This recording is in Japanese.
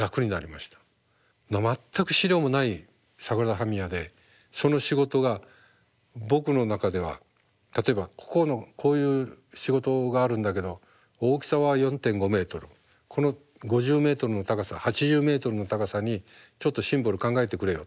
全く資料もないサグラダ・ファミリアでその仕事が僕の中では例えば「ここのこういう仕事があるんだけど大きさは４．５ｍこの５０ｍの高さ８０ｍの高さにちょっとシンボル考えてくれよ」。